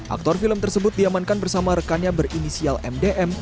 aktor film tersebut diamankan bersama rekannya berinisial mdm